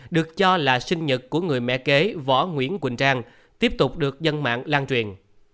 được cho là sinh nhật của người mẹ kế võ nguyễn quỳnh trang tiếp tục được dân mạng lan truyền